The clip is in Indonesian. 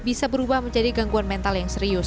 bisa berubah menjadi gangguan mental yang serius